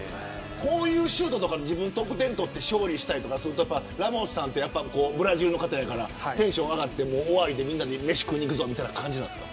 こういうシュートで自分が得点を取って勝利したりするとラモスさんはブラジルの方やからテンション上がって飯食いに行くぞみたいな感じですか。